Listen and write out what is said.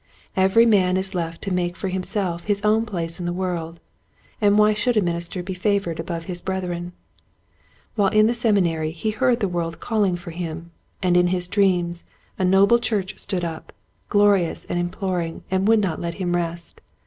Every man is left to make for himself his own place in the world, and why should a minister be favored above his brethren? While in the Seminary he heard the world calling for him, and in his dreams a noble church stood up, glorious and implor ing, and would not let him rest.